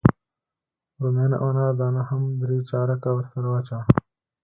رومیان او انار دانه هم درې چارکه ورسره واچوه.